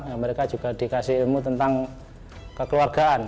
ya mereka juga dikasih ilmu tentang ya mereka juga dikasih ilmu tentang